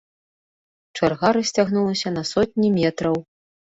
Чарга расцягнулася на сотні метраў.